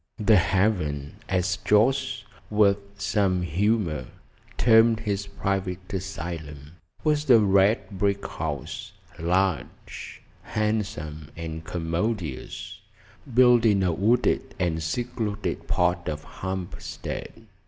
"The Haven," as Jorce, with some humour, termed his private asylum, was a red brick house, large, handsome, and commodious, built in a wooded and secluded part of Hampstead.